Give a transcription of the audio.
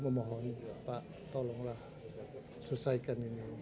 memohon pak tolonglah selesaikan ini